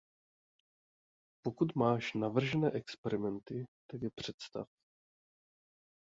Pokud máš navržené experimenty, tak je představ.